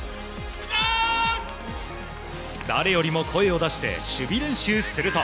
誰よりも声を出して守備練習すると